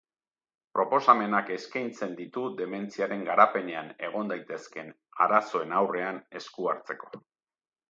Proposamenak eskaintzen ditu dementziaren garapenean egon daitezkeen arazoen aurrean esku hartzeko.